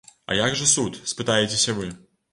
А як жа суд, спытаецеся вы?